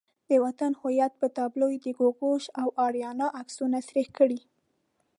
د وطن هویت پر تابلو یې د ګوګوش او آریانا عکسونه سریښ کړي.